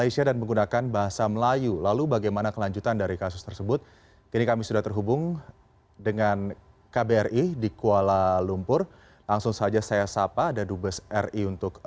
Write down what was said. selamat sore mas aldi